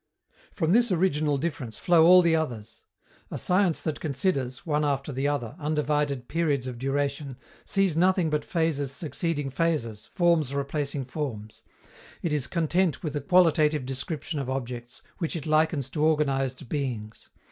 From this original difference flow all the others. A science that considers, one after the other, undivided periods of duration, sees nothing but phases succeeding phases, forms replacing forms; it is content with a qualitative description of objects, which it likens to organized beings.